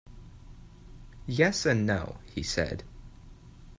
“Yes and no,” he said.